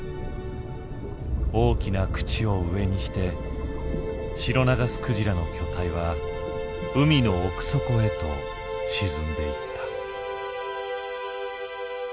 大きな口を上にしてシロナガスクジラの巨体は海の奥底へと沈んでいった。